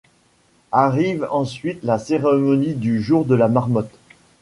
Arrive ensuite la cérémonie du jour de la marmotte.